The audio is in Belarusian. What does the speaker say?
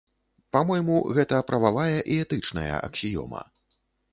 Па-мойму, гэта прававая і этычная аксіёма.